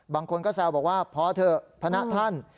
บางคนก็แซวบอกว่าพอเถอะพระนะท่าน